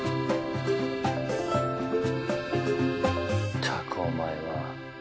ったくお前は。